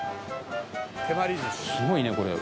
すごいねこれ。